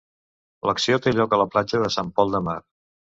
L'acció té lloc a la platja de Sant Pol de Mar.